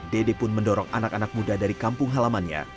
dede pun mendorong anak anak muda dari kampung halamannya